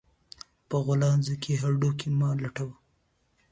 په غولانځه کې هډو کى مه لټوه